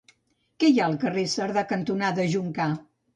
Què hi ha al carrer Cerdà cantonada Joncar?